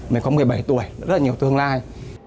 mình có một mươi bảy tuổi rất là nhiều tương lai